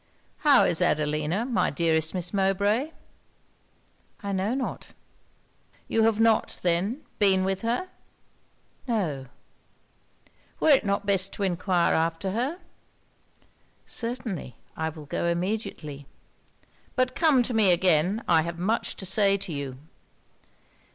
'How is Adelina, my dearest Miss Mowbray?' 'I know not.' 'You have not, then, been with her?' 'No.' 'Were it not best to enquire after her?' 'Certainly. I will go immediately.' 'But come to me again I have much to say to you.'